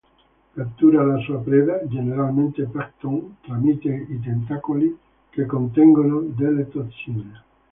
Cattura la sua preda, generalmente plancton, tramite i tentacoli che contengono delle tossine.